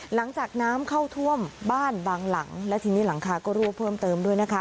หลังจากน้ำเข้าท่วมบ้านบางหลังและทีนี้หลังคาก็รั่วเพิ่มเติมด้วยนะคะ